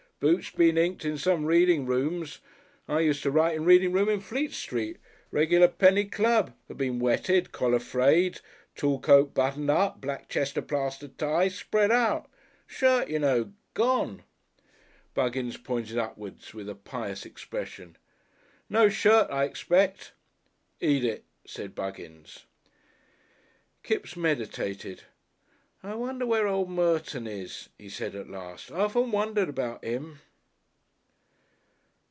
Boots been inked in some reading rooms I used to write in a Reading Room in Fleet Street, regular penny club hat been wetted, collar frayed, tail coat buttoned up, black chest plaster tie spread out. Shirt, you know, gone " Buggins pointed upward with a pious expression. "No shirt, I expect?" "Eat it," said Buggins. Kipps meditated. "I wonder where old Merton is," he said at last. "I often wondered about 'im."